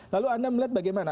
lalu anda melihat bagaimana